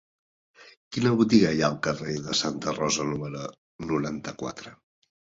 Quina botiga hi ha al carrer de Santa Rosa número noranta-quatre?